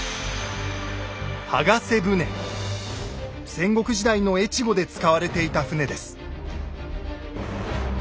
戦国時代の越後で使われていた船です。